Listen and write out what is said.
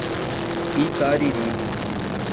Itariri